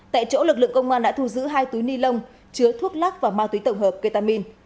tại chỗ lực lượng công an đã thu giữ hai túi ni lông chứa thuốc lắc và ma túy tổng hợp ketamin